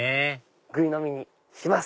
ぐい飲みにします。